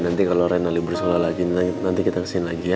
nanti kalau renali bersola lagi nanti kita kesini lagi ya